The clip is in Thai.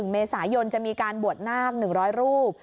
๑เมษายนจะมีการบวชนาค๑๐๐รูป